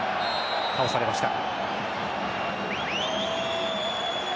倒されました。